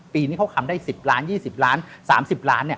ปีนี้เขาทำได้๑๐ล้าน๒๐ล้าน๓๐ล้านเนี่ย